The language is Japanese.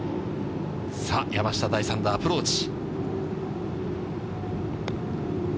山下第３打、アプローチ。